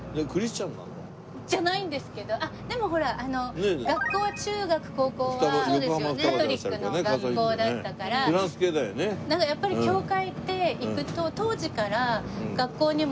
じゃないんですけどあっでもほら学校は中学高校はカトリックの学校だったからなんかやっぱり教会って行くと当時から。